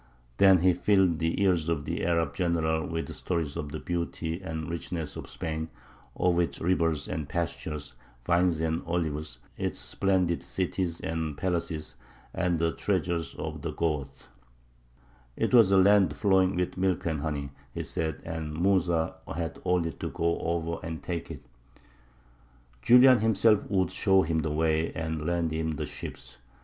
Then he filled the ears of the Arab general with stories of the beauty and richness of Spain, of its rivers and pastures, vines and olives, its splendid cities and palaces, and the treasures of the Goths: it was a land flowing with milk and honey, he said, and Mūsa had only to go over and take it. Julian himself would show him the way, and lend him the ships.